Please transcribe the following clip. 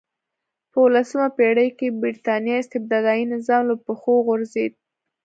په اولسمه پېړۍ کې برېټانیا استبدادي نظام له پښو وغورځېد.